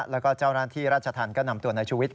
แล้วก็เจ้าราชธรรมก็นำตัวนายชูวิทย์